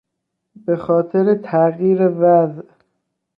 به خاطر تغییر وضع